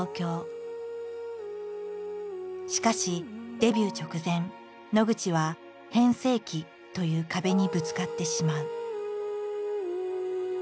しかしデビュー直前野口は変声期という壁にぶつかってしまう。